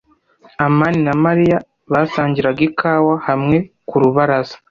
amani na Mariya basangiraga ikawa hamwe ku rubaraza.